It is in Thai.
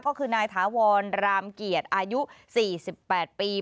ก็คือนายถาวรรามเกียรติอายุ๔๘ปี